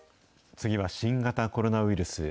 次は新型コロナウイルス。